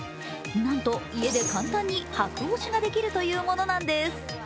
なんと家で簡単にはく押しができるというものなんです。